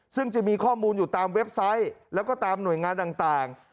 ซึ่งจะมีข้อมูลอยู่ตามเว็บไซต์แล้วก็ตามหน่วยงานต่าง